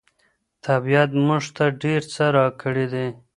طبيعت موږ ته ډېر څه راکړي دي.